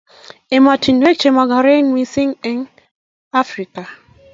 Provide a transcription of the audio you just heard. emotinwek chemokorek mising eng Afrika